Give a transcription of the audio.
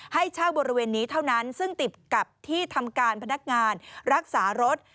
ให้เช่าบริเวณนี้เท่านั้นซึ่งติดกับที่ทำการพนักงานรักษารถ